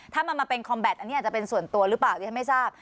ถ้ามันมาเป็นคอมแบตอันนี้อาจจะเป็นส่วนตัวหรือเปล่าดิฉันไม่ทราบ